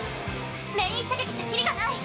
メイン射撃じゃきりがない！